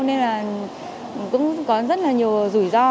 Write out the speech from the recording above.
nên là cũng có rất là nhiều rủi ro